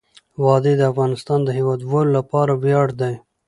وادي د افغانستان د هیوادوالو لپاره ویاړ دی.